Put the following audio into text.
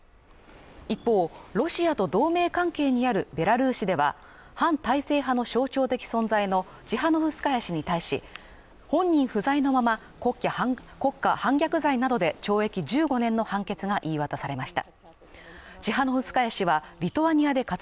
一方、ロシアと同盟関係にあるベラルーシでは、反体制派の象徴的存在のチハノフスカヤ氏に対し、本人不在のまま規範国家反逆罪などで懲役１５年の判決が言い渡されました。